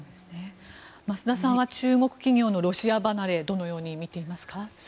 増田さんは中国企業のロシア離れどのように見ていますか？